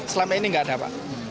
selama ini enggak ada